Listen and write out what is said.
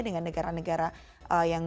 dengan negara negara yang